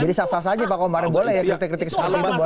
jadi saksa saja pak om mare kritik kritik semua itu boleh